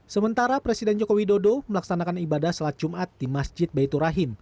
sementara presiden joko widodo melaksanakan ibadah sholat jumat di masjid baitur rahim